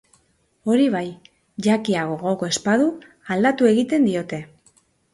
Hori bai, jakia gogoko ez badu, aldatu egiten diote.